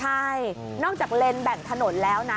ใช่นอกจากเลนส์แบ่งถนนแล้วนะ